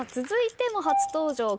続いても初登場。